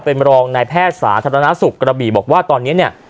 เป็นรองนายแพทย์สาธารณสุขกระบี่บอกว่าตอนนี้เนี่ย